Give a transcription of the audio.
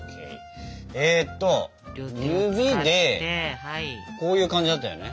えっと指でこういう感じだったよね。